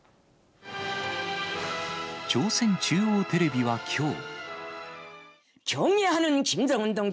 朝鮮中央テレビはきょう。